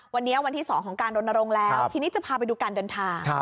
วันนี้วันที่๒ของการรณรงค์แล้วทีนี้จะพาไปดูการเดินทาง